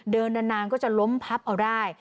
เดินนานก็จะล้มพับเอาได้